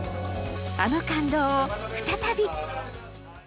あの感動を再び。